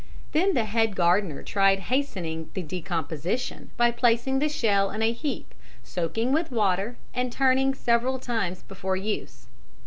Then the head gardener tried hastening the decomposition by placing the shell in a heap, soaking with water and turning several times before use.